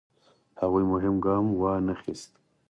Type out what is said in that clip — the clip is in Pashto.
هغوی مهم ګام وانخیست.